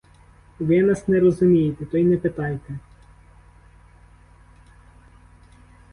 Ви нас не розумієте, то й не питайте.